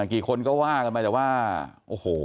กี่คนก็ว่ากันไปแต่ว่าโอ้โห